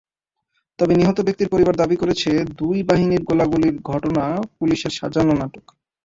তবে নিহত ব্যক্তির পরিবার দাবি করেছে, দুই বাহিনীর গোলাগুলির ঘটনা পুলিশের সাজানো নাটক।